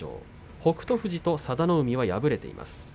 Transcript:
北勝富士と佐田の海は敗れました。